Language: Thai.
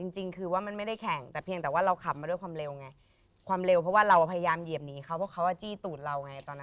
จริงคือว่ามันไม่ได้แข่งแต่เพียงแต่ว่าเราขับมาด้วยความเร็วไงความเร็วเพราะว่าเราพยายามเหยียบหนีเขาเพราะเขาจี้ตูดเราไงตอนนั้น